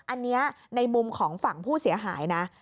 อันนี้ในมุมของฝั่งผู้เสียหายนะ